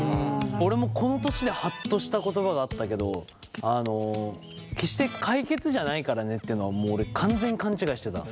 俺もこの年でハッとした言葉があったけど決して解決じゃないからねっていうのはもう俺完全に勘違いしてた。